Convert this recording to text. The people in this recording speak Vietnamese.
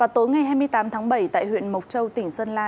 tối ngày hai mươi tám tháng bảy tại huyện mộc châu tỉnh sơn la